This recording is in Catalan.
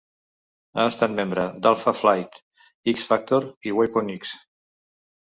Ha estat membre d'Alpha Flight, X-Factor i Weapon X.